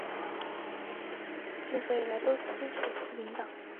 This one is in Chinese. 本区自创设以来都支持自民党。